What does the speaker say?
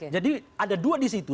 jadi ada dua disitu